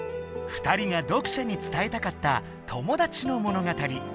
二人が読者につたえたかった友達の物語。